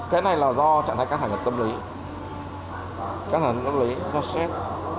cái này là do trạng thái căng thẳng tâm lý căng thẳng tâm lý do stress